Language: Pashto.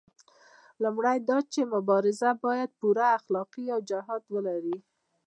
لومړی دا چې مبارزه باید پوره اخلاقي وجاهت ولري.